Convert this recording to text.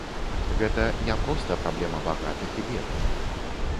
Гэта не проста праблема багатых і бедных.